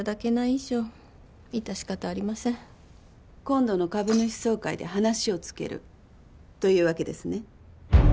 以上致し方ありません今度の株主総会で話をつけるというわけですね？